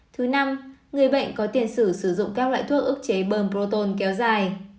thứ tư người bệnh có tiền sử sử dụng các loại thuốc ức chế bơm proton kéo dài